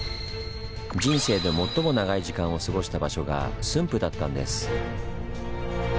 人生で最も長い時間を過ごした場所が駿府だったんです。